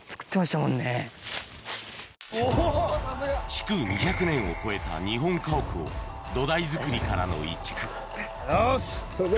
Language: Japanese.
築２００年を超えた日本家屋を土台づくりからの移築